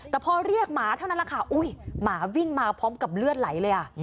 แต่พอเรียกหมาเท่านั้นแหละค่ะอุ้ยหมาวิ่งมาพร้อมกับเลือดไหลเลย